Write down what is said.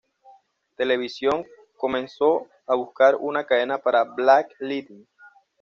Television comenzó a buscar una cadena para "Black Lightning".